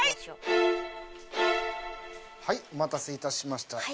はいお待たせいたしました。